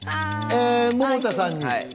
百田さんに？